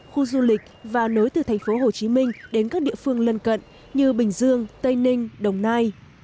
khu du lịch và nối từ tp hcm đến các địa phương lân cận như bình dương tây ninh đồng nai